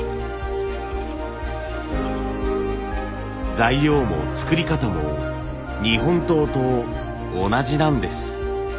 材料も作り方も日本刀と同じなんです。